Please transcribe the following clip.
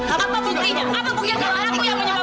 apa yang menyebabkan mama meninggal